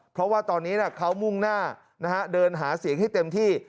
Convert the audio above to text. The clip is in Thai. เพราะว่าตอนนี้เขามุ่งหน้าเดินหาเสียงให้เต็มที่